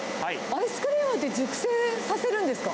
アイスクリームって、熟成させるんですか？